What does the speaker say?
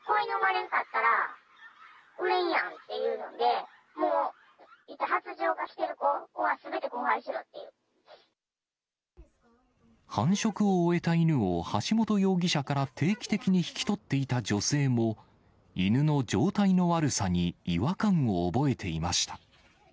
んかったら売れんやんって言うので、もう、発情が来て繁殖を終えた犬を、橋本容疑者から定期的に引き取っていた女性も、犬の状態の悪さに違和感を覚えていました。